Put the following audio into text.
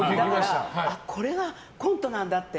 あ、これがコントなんだって。